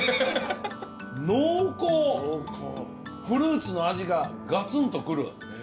フルーツの味がガツンとくる。